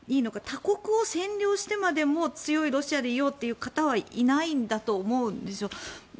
他国を占領してまでも強いロシアでいようという方はいないんだと思うんですよ。